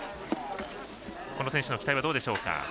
この選手の期待はどうでしょうか。